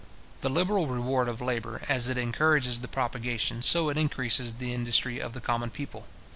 The liberal reward of labour, as it encourages the propagation, so it increases the industry of the common people.